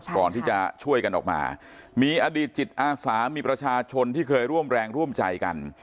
ก่อนที่จะช่วยกันออกมามีอดีตจิตอาสามีประชาชนที่เคยร่วมแรงร่วมใจกัน